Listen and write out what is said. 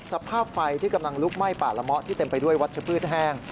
สภาพไฟที่กำลังลุกไหม้ป่าละเมาะที่เต็มไปด้วยวัชพืชแห้ง